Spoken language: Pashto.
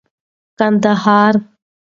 کندهارى